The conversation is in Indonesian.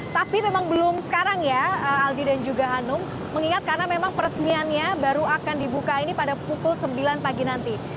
tapi memang belum sekarang ya aldi dan juga hanum mengingat karena memang peresmiannya baru akan dibuka ini pada pukul sembilan pagi nanti